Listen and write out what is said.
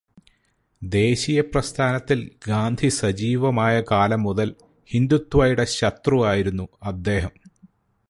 ദേശീയപ്രസ്ഥാനത്തില് ഗാന്ധി സജീവമായ കാലം മുതല് ഹിന്ദുത്വയുടെ ശത്രുവായിരുന്നു അദ്ദേഹം.